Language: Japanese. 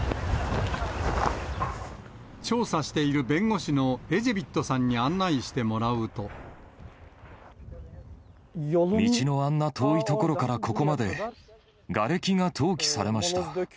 調査している弁護士のエジェビッ道のあんな遠い所からここまで、がれきが投棄されました。